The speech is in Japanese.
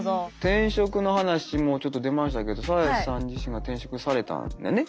転職の話もちょっと出ましたけどサーヤさん自身は転職されたんだよね。